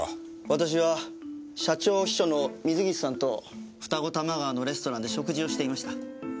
私は社長秘書の水岸さんと二子玉川のレストランで食事をしていました。